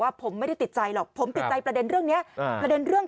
ผมไม่ได้ติดใจหรอกผมติดใจประเด็นเรื่องนี้ประเด็นเรื่อง